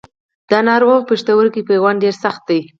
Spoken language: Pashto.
د ناروغ پښتورګي پیوند ډېر سخت دی.